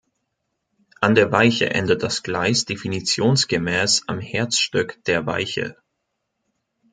An der Weiche endet das Gleis definitionsgemäß am Herzstück der Weiche.